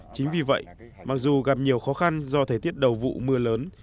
chính vì vậy mặc dù gặp nhiều khó khăn do thời tiết đầu vụ mưa lớn